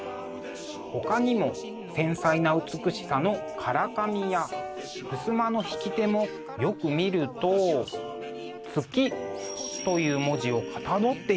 ほかにも繊細な美しさの唐紙やふすまの引き手もよく見ると「月」という文字をかたどっています。